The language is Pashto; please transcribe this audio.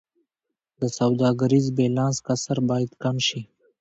د سوداګریز بیلانس کسر باید کم شي